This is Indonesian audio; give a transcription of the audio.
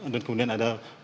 dan kemudian ada punggung